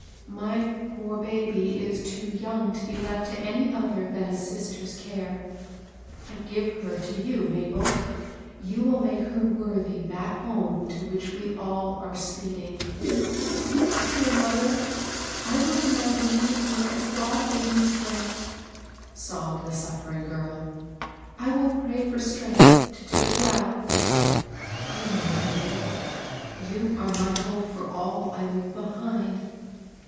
My poor baby is too young to be left to any other than a sister's care ; I give her to you, Mabel. Yon will make her worthy that • home to which we all are speeding 1 "" Dear mother, I will do my duty to her as God gives me strength," sobbed the suflPering girl. " I will pray for strength to do it well. I know it, Mabel. You are my hope for all I leave behind.